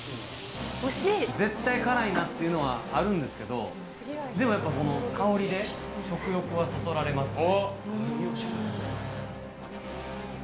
絶対辛いなっていうのはあるんですけど、でもやっぱりこの香りで食欲はそそられますね。